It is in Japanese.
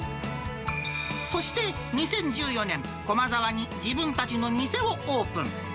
そして２０１４年、駒沢に自分たちの店をオープン。